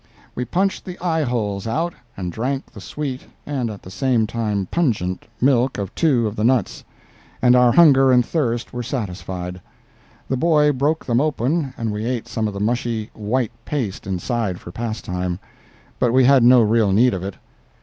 We punched the eye holes out and drank the sweet (and at the same time pungent) milk of two of the nuts, and our hunger and thirst were satisfied. The boy broke them open and we ate some of the mushy, white paste inside for pastime, but we had no real need of it.